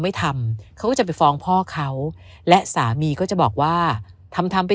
ไม่ทำเขาก็จะไปฟ้องพ่อเขาและสามีก็จะบอกว่าทำทำไป